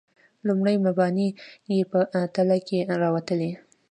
لومړني مباني یې په تله کې راوتلي.